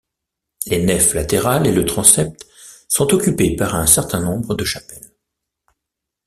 Les nefs latérales et le transept sont occupés par un certain nombre de chapelles.